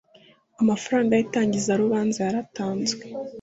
amafaranga yitangiza rubanza yaratanzwe